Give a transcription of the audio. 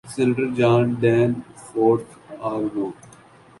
senator John Danforth R مو